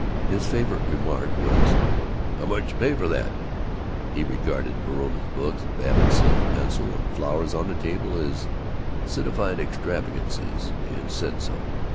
His favorite remark was "How much did you pay for that?" He regarded Verona's books, Babbitt's silver pencil, and flowers on the table as citified extravagances, and said so.